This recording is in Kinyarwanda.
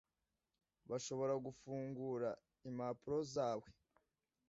bashobora gufungura impapuro zawe